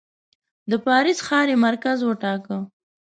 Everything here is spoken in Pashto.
د پاریس ښار یې مرکز وټاکه.